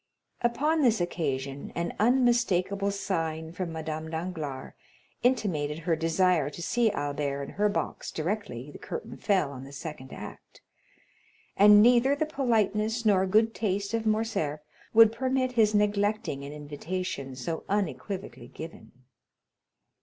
Upon this occasion an unmistakable sign from Madame Danglars intimated her desire to see Albert in her box directly the curtain fell on the second act, and neither the politeness nor good taste of Morcerf would permit his neglecting an invitation so unequivocally given.